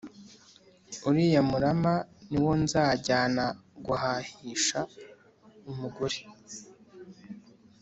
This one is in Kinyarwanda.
uriya murama, ni wo nzajyana guhahisha Umugore